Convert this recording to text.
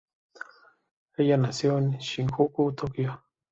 Ella nació en Shinjuku, Tokio.